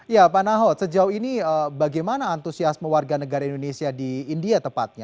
ya pak nahot sejauh ini bagaimana antusiasme warga negara indonesia di india tepatnya